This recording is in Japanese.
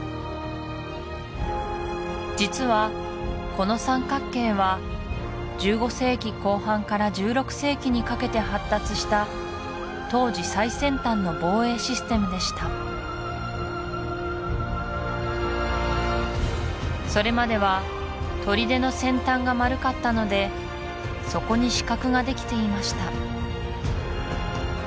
実はこの三角形は１５世紀後半から１６世紀にかけて発達した当時最先端の防衛システムでしたそれまでは砦の先端が丸かったのでそこに死角ができていました